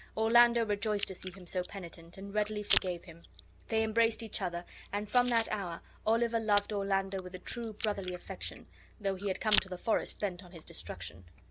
Orlando rejoiced to see him so penitent, and readily forgave him. They embraced each other and from that hour Oliver loved Orlando with a true brotherly affection, though he had come to the forest bent on his destruction.